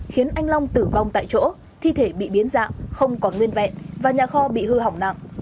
khiến anh long tử vong tại chỗ thi thể bị biến dạng không còn nguyên vẹn và nhà kho bị hư hỏng nặng